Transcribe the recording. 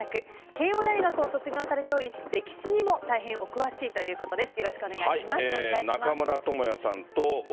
慶応大学を卒業されており歴史にも大変お詳しいということです。